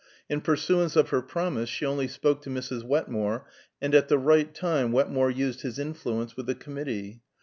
In pursuance of her promise, she only spoke to Mrs. Wetmore, and at the right time Wetmore used his influence with the committee.